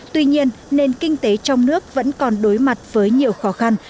tuy nhiên nền kinh tế trong nước vẫn còn đối mặt với nhiều khó khăn